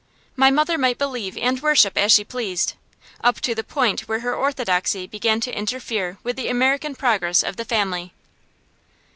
My mother might believe and worship as she pleased, up to the point where her orthodoxy began to interfere with the American progress of the family.